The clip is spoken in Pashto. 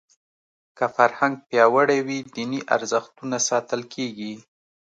که فرهنګ پیاوړی وي دیني ارزښتونه ساتل کېږي.